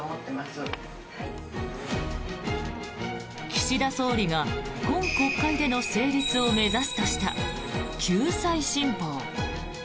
岸田総理が今国会での成立を目指すとした救済新法。